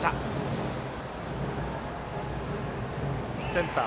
センター